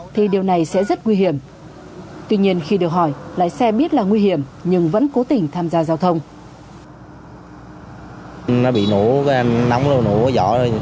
thì điều này sẽ rất nguy hiểm tuy nhiên khi được hỏi lái xe biết là nguy hiểm nhưng vẫn cố tình tham gia giao thông